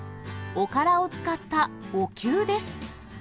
おからを使ったおきゅうです。